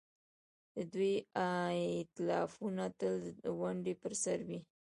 د دوی ائتلافونه تل د ونډې پر سر وي.